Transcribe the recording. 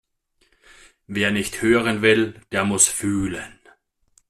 Wer nicht hören will, der muss fühlen.